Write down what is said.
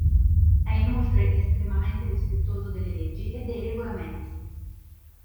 È inoltre estremamente rispettoso delle leggi e dei regolamenti.